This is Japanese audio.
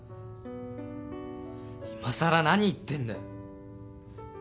いまさら何言ってんだよ。